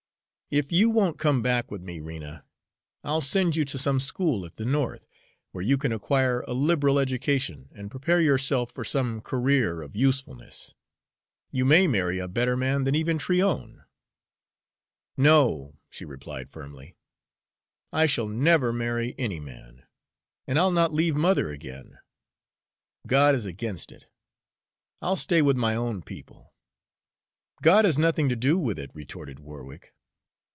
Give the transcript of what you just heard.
"If you won't come back with me, Rena, I'll send you to some school at the North, where you can acquire a liberal education, and prepare yourself for some career of usefulness. You may marry a better man than even Tryon." "No," she replied firmly, "I shall never marry any man, and I'll not leave mother again. God is against it; I'll stay with my own people." "God has nothing to do with it," retorted Warwick.